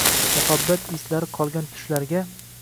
muhabbat islari qolgan tushlarga